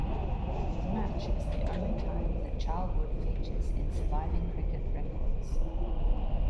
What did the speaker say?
The match is the only time that Charlwood features in surviving cricket records.